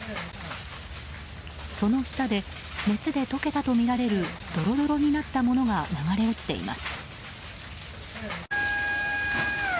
その下で熱で溶けたとみられるドロドロになったものが流れ落ちています。